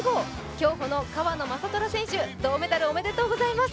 競歩の川野将虎選手、銅メダルおめでとうございます。